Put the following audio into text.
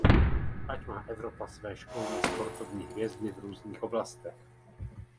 Ať má Evropa své školní sportovní hvězdy v různých oblastech!